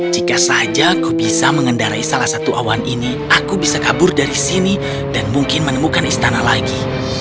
jika saja aku bisa mengendarai salah satu awan ini aku bisa kabur dari sini dan mungkin menemukan istana lagi